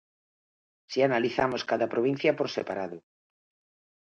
Si analizamos cada provincia por separado